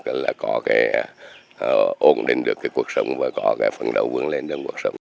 tức là có cái ổn định được cái cuộc sống và có cái phấn đấu vươn lên trong cuộc sống